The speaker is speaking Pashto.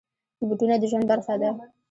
بوټونه د ژوند برخه ده.